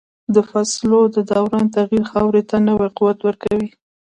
د فصلو د دوران تغییر خاورې ته نوی قوت ورکوي.